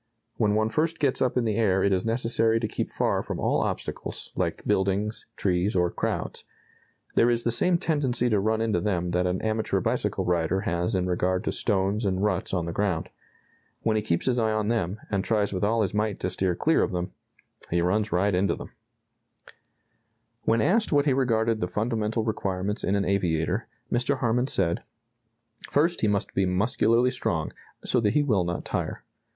When one first gets up in the air it is necessary to keep far from all obstacles, like buildings, trees, or crowds. There is the same tendency to run into them that an amateur bicycle rider has in regard to stones and ruts on the ground. When he keeps his eye on them and tries with all his might to steer clear of them, he runs right into them." [Illustration: Practicing with a monoplane, 20 feet above the ground.] When asked what he regarded the fundamental requirements in an aviator, Mr. Harmon said: "First, he must be muscularly strong; so that he will not tire.